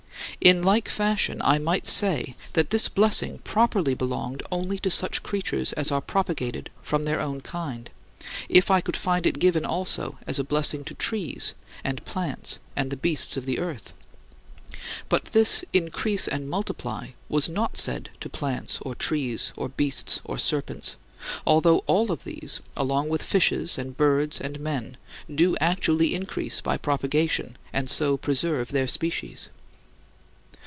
In like fashion, I might say that this blessing properly belonged only to such creatures as are propagated from their own kind, if I could find it given also as a blessing to trees, and plants, and the beasts of the earth. But this "increase and multiply" was not said to plants or trees or beasts or serpents although all of these, along with fishes and birds and men, do actually increase by propagation and so preserve their species.